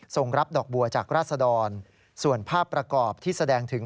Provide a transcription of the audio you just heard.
รับดอกบัวจากราศดรส่วนภาพประกอบที่แสดงถึง